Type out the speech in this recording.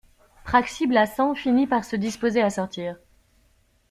Praxi-Blassans finit par se disposer à sortir.